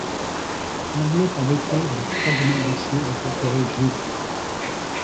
Enveloppe en béton avec fragments d'acier incorporés gris-vert.